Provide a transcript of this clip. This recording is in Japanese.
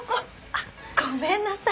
あっごめんなさい。